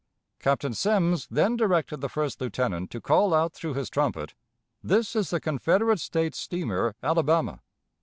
Captain Semmes then directed the first lieutenant to call out through his trumpet, "This is the Confederate States steamer Alabama."